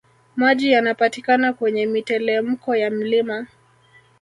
Maji yanapatikana kwenye mitelemko ya mlima